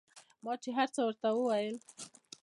ما چې هرڅه ورته وويل.